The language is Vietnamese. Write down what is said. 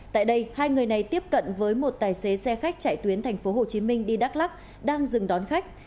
tại đây hai người này tiếp cận với một tài xế xe khách chạy tuyến tp hcm đi đắk lắc đang dừng đón khách